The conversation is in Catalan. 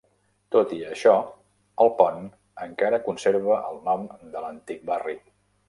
Tot i això, el pont encara conserva el nom de l'antic barri.